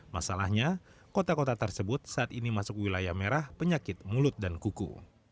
masalahnya kota kota tersebut saat ini masuk wilayah merah penyakit mulut dan kuku